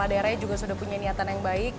mas diko sudah punya niatan yang baik